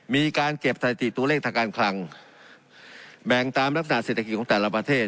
มีการเก็บสถิติตัวเลขทางการคลังแบ่งตามลักษณะเศรษฐกิจของแต่ละประเทศ